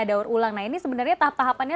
daur ulang nah ini sebenarnya tahap tahapannya